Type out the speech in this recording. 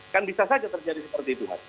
kan bisa saja terjadi seperti itu